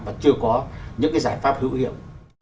và chưa có những cái giải pháp hữu hiệu